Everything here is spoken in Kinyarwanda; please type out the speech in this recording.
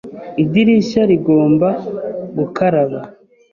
Idirishya rigomba gukaraba.